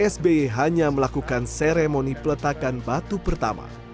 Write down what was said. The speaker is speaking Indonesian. sby hanya melakukan seremoni peletakan batu pertama